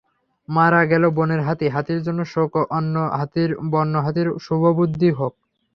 মারা গেল বনের হাতি, হাতির জন্য শোকঅন্য হাতির বন্য হাতির শুভবুদ্ধি হোক।